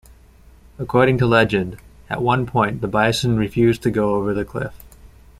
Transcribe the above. According to legend, at one point the bison refused to go over the cliff.